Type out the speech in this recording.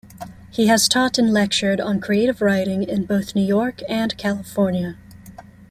He has taught and lectured on creative writing in both New York and California.